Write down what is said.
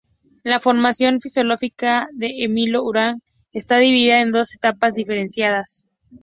La formación filosófica de Emilio Uranga está dividida en dos etapas diferenciadas.